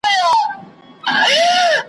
ځمه مخ په جنتو یم